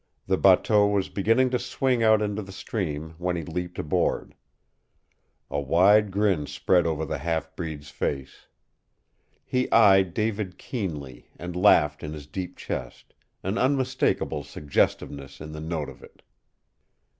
The bateau was beginning to swing out into the stream when he leaped aboard. A wide grin spread over the half breed's face. He eyed David keenly and laughed in his deep chest, an unmistakable suggestiveness in the note of it.